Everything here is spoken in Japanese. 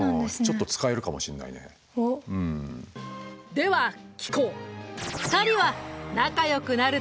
では聞こう。